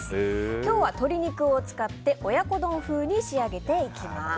今日は鶏肉を使って親子丼風に仕上げていきます。